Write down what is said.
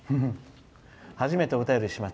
「初めてお便りします。